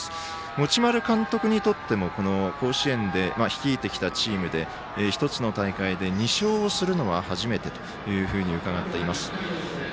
持丸監督にとっても甲子園で、率いてきたチームで１つの大会で２勝をするのは初めてというふうに伺っています。